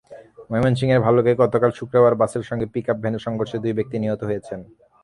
ময়মনসিংহের ভালুকায় গতকাল শুক্রবার বাসের সঙ্গে পিকআপ ভ্যানের সংঘর্ষে দুই ব্যক্তি নিহত হয়েছেন।